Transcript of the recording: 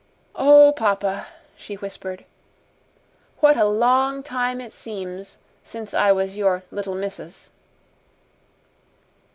"Oh, papa," she whispered, "what a long time it seems since I was your 'Little Missus'!"